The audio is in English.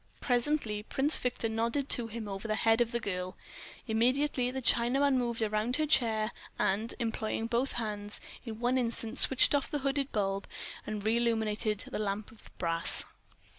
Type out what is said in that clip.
Presently Prince Victor nodded to him over the head of the girl. Immediately the Chinaman moved round her chair and, employing both hands, in one instant switched off the hooded bulb and reilluminated the lamp of brass.